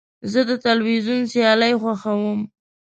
زه د تلویزیون سیالۍ خوښوم.